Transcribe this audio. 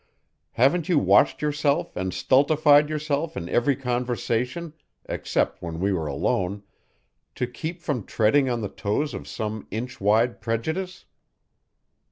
Haven't you watched yourself and stultified yourself in every conversation, except when we were alone, to keep from treading on the toes of some inch wide prejudice?"